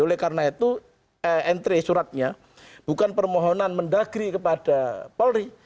oleh karena itu entry suratnya bukan permohonan mendagri kepada polri